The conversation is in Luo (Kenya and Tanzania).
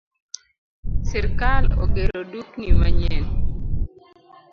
Sirkal ogero dukni manyien